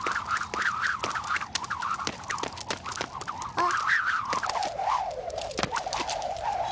あっ。